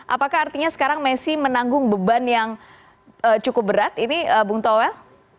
apakah artinya sekarang messi menanggung beban yang cukup berat ini bung toel